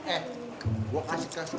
eh gue kasih kasih